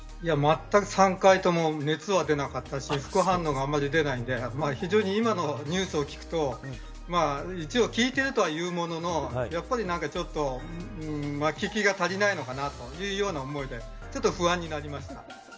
３回とも熱は出なかったし副反応があまり出てないので非常に、今のニュースを聞くと効いているとはいうもののやっぱり、なんかちょっと効きが足りないのかなという思いでちょっと不安になりました。